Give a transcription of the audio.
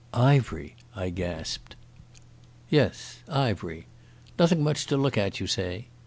"Ivery," I gasped. "Yes. Ivery. Nothing much to look at, you say.